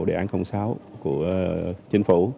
một đề án công xáo của chính phủ